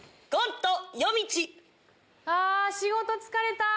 あ仕事疲れた！